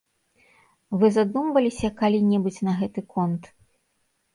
Вы задумваліся калі-небудзь на гэты конт?